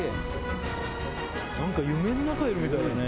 何か夢の中にいるみたいだね！